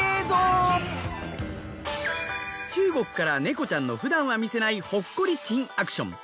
中国からネコちゃんのふだんは見せないほっこり珍アクション。